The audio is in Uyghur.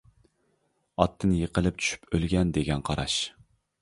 ئاتتىن يىقىلىپ چۈشۈپ ئۆلگەن دېگەن قاراش.